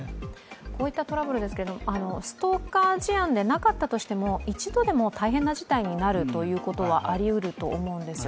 こういったトラブルですが、ストーカー事案でなかったとしても、一度でも大変な事態になるということはありえると思うんですよ。